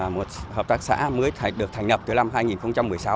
một hợp tác xã mới được thành lập từ năm hai nghìn một mươi sáu